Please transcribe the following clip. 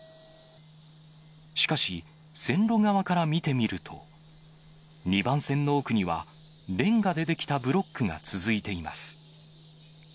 しかし、線路側から見てみると、２番線の奥には、れんがで出来たブロックが続いています。